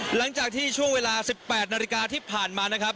หลังจากที่ช่วงเวลา๑๘นาฬิกาที่ผ่านมานะครับ